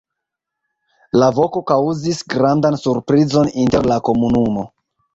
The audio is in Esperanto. La voko kaŭzis grandan surprizon inter la komunumo.